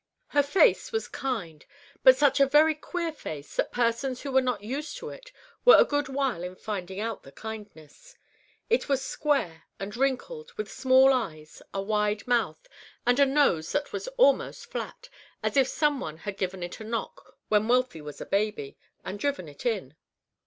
Her face was kind, but such a very queer face that persons who were not used to it were a good while in finding out the kindness. It was square and wrinkled, with small eyes, a wide mouth, and a nose that was almost flat, as if some one had given it a knock when Wealthy was a baby, and driven it in.